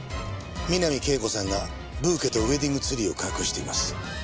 三波圭子さんがブーケとウェディングツリーを隠しています。